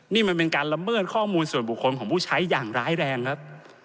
นี่มันเป็นการละเมิดข้อมูลส่วนบุคคลของผู้ใช้อย่างร้ายแรงครับ